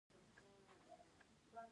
غږ يې ډېر تازه وو.